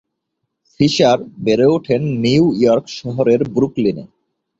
Fisher বেড়ে ওঠেন New York শহরের ব্রুকলিনে।